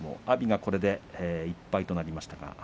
阿炎がこれで１敗となりました。